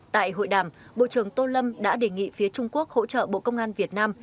tại hội đàm bộ trưởng tô lâm đã đề nghị phía trung quốc hỗ trợ bộ công an việt nam